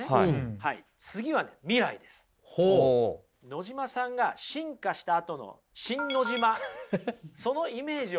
野島さんが進化したあとのシン・ノジマそのイメージをね